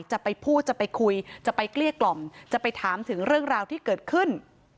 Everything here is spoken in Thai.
จะไปพูดจะไปคุยจะไปเกลี้ยกล่อมจะไปถามถึงเรื่องราวที่เกิดขึ้น